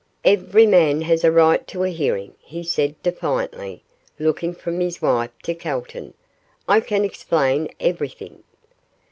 'Every man has a right to a hearing,' he said, defiantly, looking from his wife to Calton; 'I can explain everything.